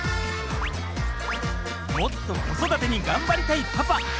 もっと子育てに頑張りたいパパ。